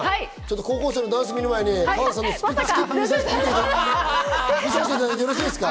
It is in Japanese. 高校生のダンスを見る前に川田さんのスキップを見せていただいてよろしいですか？